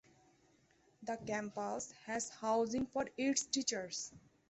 The campus has housing for its teachers.